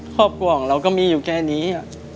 ครอบครัวของเราก็มีอยู่แค่นี้